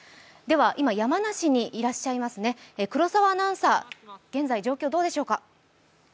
今、山梨にいらっしゃいます黒澤アナウンサー、現在、状況はどうでしょうか？